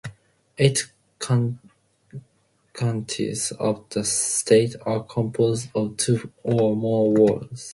Eight counties of the state are composed of two or more words.